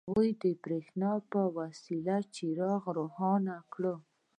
هغه د برېښنا په وسيله يو څراغ روښانه کړ.